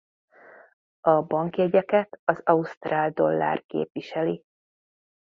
A bankjegyeket az ausztrál dollár képviseli.